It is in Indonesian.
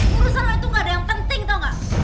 urusan lo itu gak ada yang penting tau gak